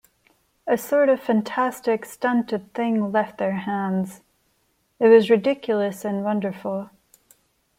A sort of fantastic stunted thing left their hands; it was ridiculous and wonderful.